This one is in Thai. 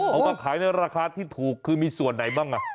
เอามาขายในราคาที่ถูกคือมีส่วนไหนบ้าง